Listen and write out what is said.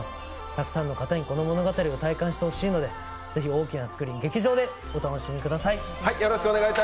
たくさんの方にこの物語を体感してほしいのでぜひ大きなスクリーン、劇場でお楽しみください。